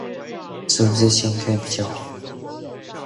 是不是掀開比較好